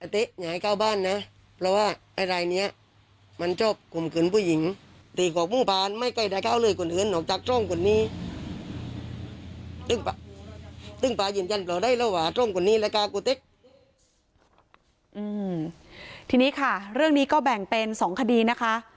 ทีนี้ค่ะเรื่องนี้ก็แบ่งเป็น๒คดีนะคะ